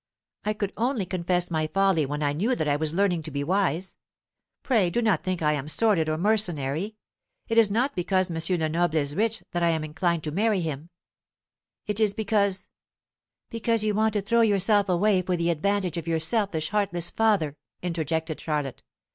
I could only confess my folly when I knew that I was learning to be wise. Pray do not think that I am sordid or mercenary. It is not because M. Lenoble is rich that I am inclined to marry him, it is because " "Because you want to throw yourself away for the advantage of your selfish heartless father," interjected Charlotte.